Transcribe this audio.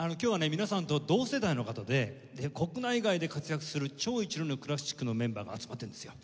皆さんと同世代の方で国内外で活躍する超一流のクラシックのメンバーが集まってるんですよ。